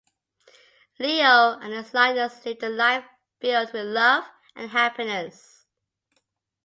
Leo and his lioness lived a life filled with love and happiness.